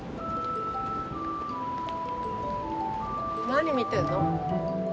何見てんの？